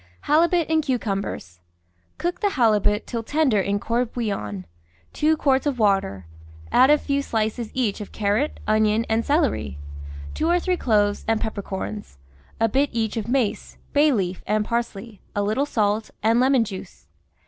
HALIBUT IN CUCUMBERS Cook th6 halibut till tender in court bouillon — two quarts of water — add a few slices each of car rot, onion, and celery ; two or three cloves and pep percorns ; a bit each of mace, bay leaf, and parsley, a little salt, and lemon juice.